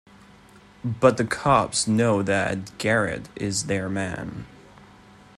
But the cops know that Garrett is their man.